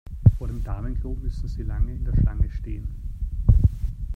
Vor dem Damenklo müssen Sie lange in der Schlange stehen.